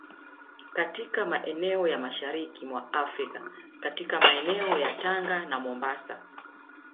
katika maeneo ya Mashariki mwa Afrika katika meeneo ya Tanga na Mombasa